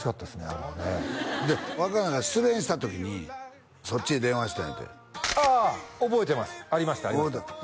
あれはねで若菜が失恋した時にそっちへ電話したんやってああ覚えてますありましたありました